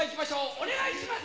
お願いします。